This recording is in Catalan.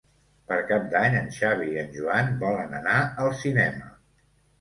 Per Cap d'Any en Xavi i en Joan volen anar al cinema.